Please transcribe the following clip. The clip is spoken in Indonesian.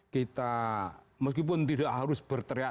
kita meskipun tidak harus berteriak